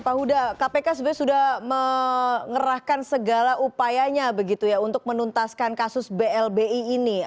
pak huda kpk sebenarnya sudah mengerahkan segala upayanya begitu ya untuk menuntaskan kasus blbi ini